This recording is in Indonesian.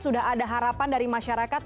sudah ada harapan dari masyarakat